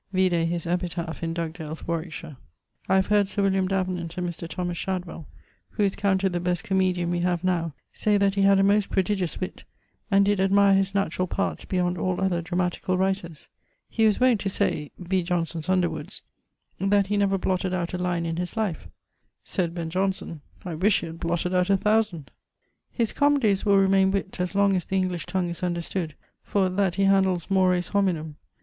Vide his epitaph in Dugdale's Warwickshire. I have heard Sir William Davenant and Mr. Thomas Shadwell (who is counted the best comoedian we have now) say that he had a most prodigious witt, and did admire his naturall parts beyond all other dramaticall writers. He was wont to say (B. Johnson's Underwoods) that he 'never blotted out a line in his life'; sayd Ben: Johnson, 'I wish he had blotted out a thousand.' His comoedies will remaine witt as long as the English tongue is understood, for that he handles mores hominum.